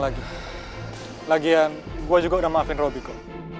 lagian gue juga udah maafin robby kok